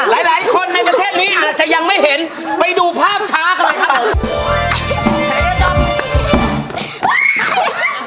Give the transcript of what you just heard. มันก็ไม่เห็นว่าจะยังไม่เห็นไปดูภาพช้ากันนะครับ